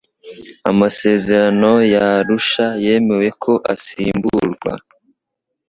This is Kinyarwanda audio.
amasezerano ya arushayemeje ko asimburwa